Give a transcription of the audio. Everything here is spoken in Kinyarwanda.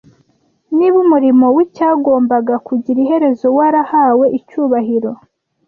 niba umurimo w’icyagombaga kugira iherezo warahawe icyubahiro,